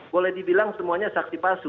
boleh dibilang semuanya saksi palsu